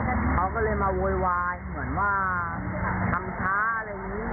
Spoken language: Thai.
เขาก็เลยมาโวยวายเหมือนว่าทำช้าอะไรอย่างนี้